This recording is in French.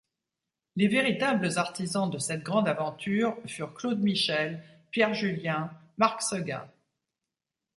Les véritables artisans de cette grande aventure furent Claude Michel, Pierre Julien, Marc Seguin.